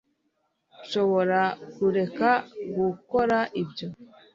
urashobora kureka gukora ibyo